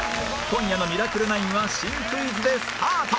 今夜の『ミラクル９』は新クイズでスタート！